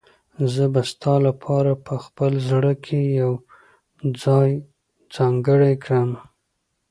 زه به ستا لپاره په خپل زړه کې یو ځای ځانګړی کړم.